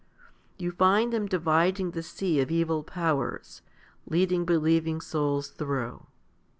You find them dividing the sea of evil powers, leading believing souls through.